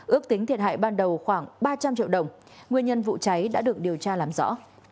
ước tính thiệt hại ban đầu khoảng ba trăm linh triệu đồng nguyên nhân vụ cháy đã được điều tra làm rõ